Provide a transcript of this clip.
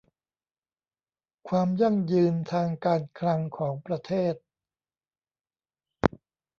ความยั่งยืนทางการคลังของประเทศ